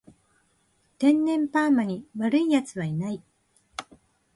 天然パーマに悪い奴はいない